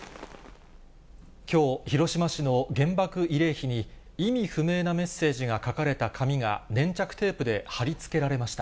きょう、広島市の原爆慰霊碑に、意味不明なメッセージが書かれた紙が、粘着テープで貼り付けられました。